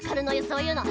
そういうの！